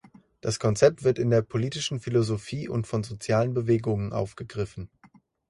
Das Konzept wird in der politischen Philosophie und von sozialen Bewegungen aufgegriffen.